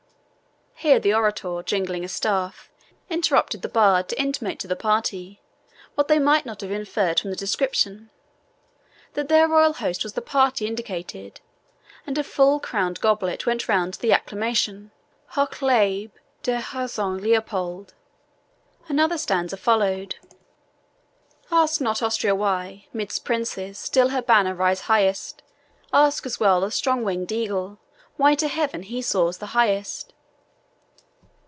Here the orator, jingling his staff, interrupted the bard to intimate to the party what they might not have inferred from the description that their royal host was the party indicated, and a full crowned goblet went round to the acclamation, HOCH LEBE DER HERZOG LEOPOLD! Another stanza followed: "Ask not Austria why, 'midst princes, Still her banner rises highest; Ask as well the strong wing'd eagle, Why to heaven he soars the highest."